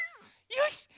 よし。